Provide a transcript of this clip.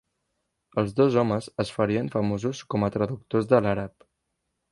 Els dos homes es farien famosos com a traductors de l'àrab.